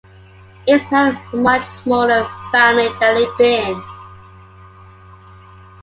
It is now a much smaller family than it had been.